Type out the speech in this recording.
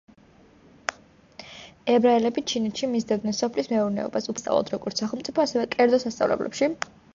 ებრაელები ჩინეთში მისდევდნენ სოფლის მეურნეობას, უფლებამოსილნი იყვნენ ესწავლათ როგორც სახელმწიფო, ასევე კერძო სასწავლებლებში.